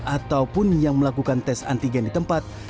ataupun yang melakukan tes antigen di tempat